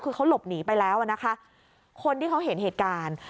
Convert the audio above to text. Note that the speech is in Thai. คือเขาหลบหนีไปแล้วอ่ะนะคะคนที่เขาเห็นเหตุการณ์